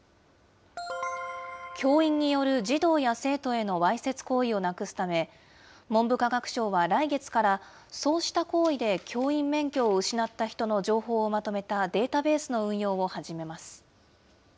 教員による児童や生徒へのわいせつ行為をなくすため、文部科学省は来月から、そうした行為で教員免許を失った人の情報をまとめたデータベースの運用を始めます。